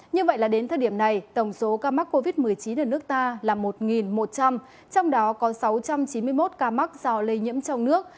như vậy là đến thời điểm này tổng số ca mắc covid một mươi chín ở nước ta là một một trăm linh trong đó có sáu trăm chín mươi một ca mắc do lây nhiễm trong nước